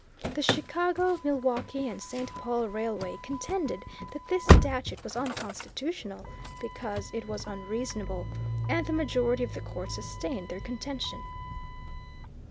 The Chicago, Milwaukee & St. Paul Railway contended that this statute was unconstitutional, because it was unreasonable, and the majority of the Court sustained their contention.